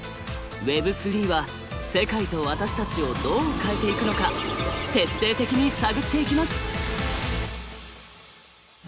Ｗｅｂ３は世界と私たちをどう変えていくのか徹底的に探っていきます！